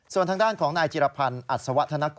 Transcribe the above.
ส่วนทางด้านของนายจิรพันธ์อัศวะธนกุ